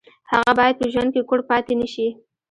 هغه باید په ژوند کې کوڼ پاتې نه شي